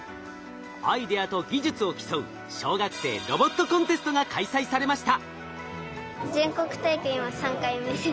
アイデアと技術を競う小学生ロボットコンテストが開催されました。